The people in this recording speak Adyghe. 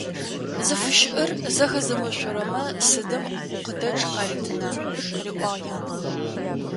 «Зыфыщыӏэр зэхэзымыфышъурэмэ сыдым гукъыдэчъ къаритына?»,- къыриӏуагъ янэ.